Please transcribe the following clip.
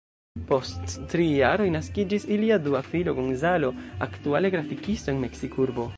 Post tri jaroj, naskiĝis ilia dua filo, Gonzalo, aktuale grafikisto en Meksikurbo.